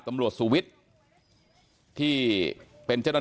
มีภาพวงจรปิดอีกมุมหนึ่งของตอนที่เกิดเหตุนะฮะ